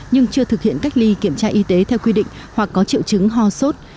nhưng chưa thực hiện cách ly kiểm tra y tế theo quy định hoặc có triệu chứng ho sốt